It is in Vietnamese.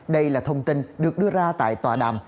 đây là thông tin được đưa ra tại tòa đàm